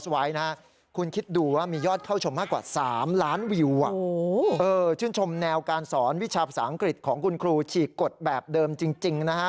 วิชาภาษาอังกฤษของคุณครูฉีกกฎแบบเดิมจริงนะฮะ